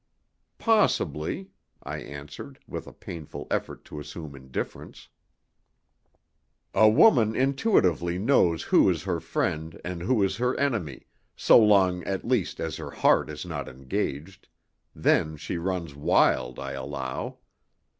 "Possibly," I answered, with a painful effort to assume indifference. "A woman intuitively knows who is her friend and who is her enemy so long, at least, as her heart is not engaged; then she runs wild, I allow.